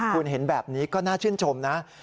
คุณเห็นแบบนี้ก็น่าชื่นชมนะ